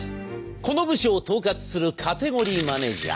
この部署を統括するカテゴリーマネージャー